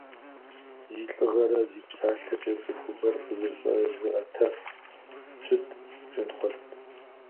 Зи лӏыгъэрэ зи псалъэкӏэ цӏыхубэр къызэщӏэзыӏэтэф пщыт Жэнхъуэт.